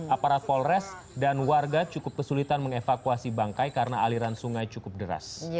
aparat polres dan warga cukup kesulitan mengevakuasi bangkai karena aliran sungai cukup deras